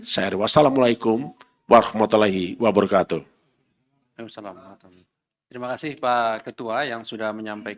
saya riwasalamu'alaikum warahmatullahi wabarakatuh